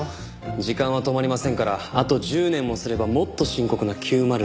時間は止まりませんからあと１０年もすればもっと深刻な９０６０問題に。